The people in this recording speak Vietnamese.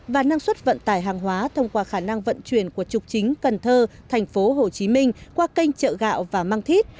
và năng suất vận tải hàng hóa thông qua khả năng vận chuyển của trục chính cần thơ thành phố hồ chí minh qua kênh trợ gạo và mang thít